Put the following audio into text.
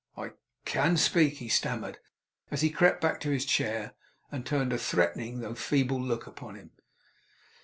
I I I can speak ' he stammered, as he crept back to his chair, and turned a threatening, though a feeble, look upon him.